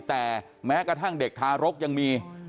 แต่แม้กระทั่งเด็กทารกยังมี